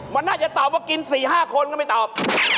มันน่าจะตอบว่ากิน๔๕คนก็ไม่ตอบ